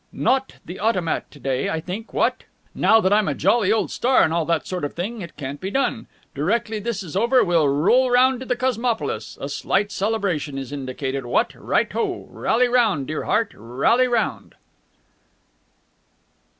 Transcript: "Not the Automat to day, I think, what? Now that I'm a jolly old star and all that sort of thing, it can't be done. Directly this is over we'll roll round to the Cosmopolis. A slight celebration is indicated, what? Right ho! Rally round, dear heart, rally round!"